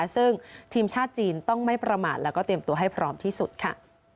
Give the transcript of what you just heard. ซึ่งทีมชาติจีนต้องไม่ประมาทแล้วก็เตรียมตัวให้พร้อมที่สุดค่ะ